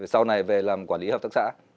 sau này về làm quản lý hợp tác xã